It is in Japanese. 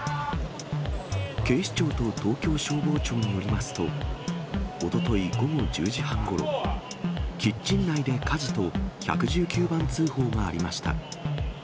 警視庁と東京消防庁によりますと、おととい午後１０時半ごろ、キッチン内で火事と、１１９番通報がありました。